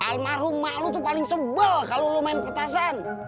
almarhum mak lo tuh paling sebel kalo lo main petasan